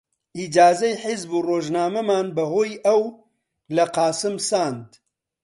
ئیجازەی حیزب و ڕۆژنامەمان بە هۆی ئەو لە قاسم ساند